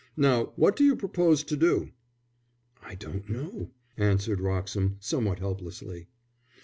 "Now what do you propose to do?" "I don't know," answered Wroxham, somewhat helplessly.